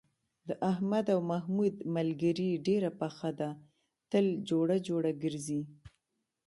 د احمد او محمود ملگري ډېره پخه ده، تل جوړه جوړه گرځي.